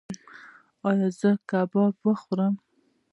ایا زه کباب وخورم؟